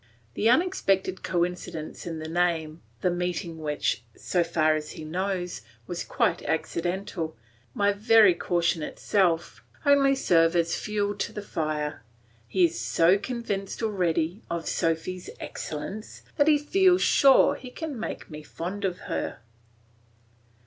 The unexpected coincidence in the name, the meeting which, so far as he knows, was quite accidental, my very caution itself, only serve as fuel to the fire. He is so convinced already of Sophy's excellence, that he feels sure he can make me fond of her.